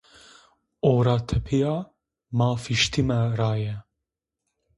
O ra tepîya ma fîştîme raye